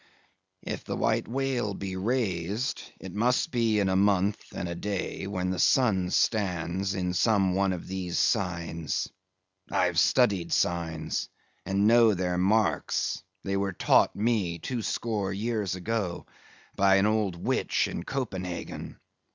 "If the White Whale be raised, it must be in a month and a day, when the sun stands in some one of these signs. I've studied signs, and know their marks; they were taught me two score years ago, by the old witch in Copenhagen.